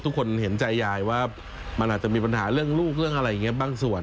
ทุกคนเห็นใจยายว่ามันอาจจะมีปัญหาเรื่องลูกเรื่องอะไรอย่างนี้บางส่วน